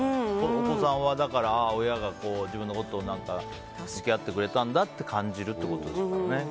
お子さんは、親が自分と向き合ってくれたんだって感じるってことですね。